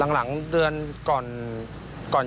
หลังเดือนก่อนไม่ตอบกลับครับ